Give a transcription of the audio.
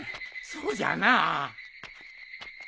そうじゃな。